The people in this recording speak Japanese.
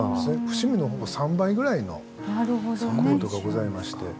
伏見のほぼ３倍ぐらいの硬度がございまして。